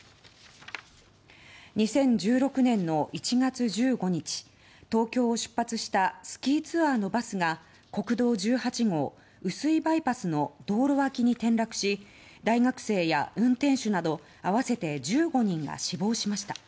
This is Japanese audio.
２０１６年の１月１５日東京を出発したスキーツアーのバスが国道１８号碓氷バイパスの道路脇に転落し大学生や運転手など合わせて１５人が死亡しました。